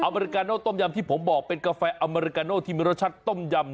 อเมริกาโนต้มยำที่ผมบอกเป็นกาแฟอเมริกาโน่ที่มีรสชาติต้มยำ